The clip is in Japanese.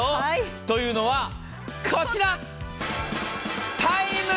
というのはこちら！